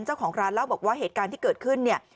เจ้าของร้านเล่าบอกว่าเหตุการณ์ที่เกิดขึ้นเนี่ย